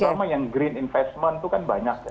terutama yang green investment itu kan banyak ya